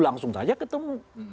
langsung saja ketemu